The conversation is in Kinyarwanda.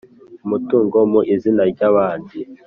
Umutungo Mu Izina Ry Abandi